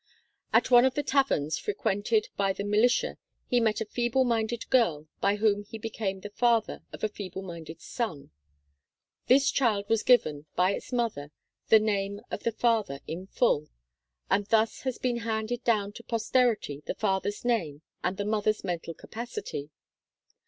At one of the taverns frequented by the militia he met a feeble minded girl by whom he became the father of a feeble minded son. This child was given, by its mother, the name of the father in full, and thus has been handed down to pos terity the father's name and the mother's mental capac ity.